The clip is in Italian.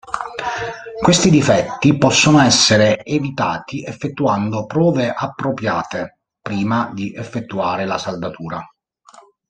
Questi difetti possono essere evitati effettuando prove appropriate prima di effettuare la saldatura.